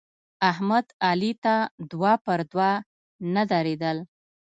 احمد علي ته دوه پر دوه نه درېدل.